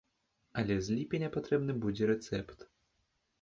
Але з ліпеня патрэбны будзе рэцэпт.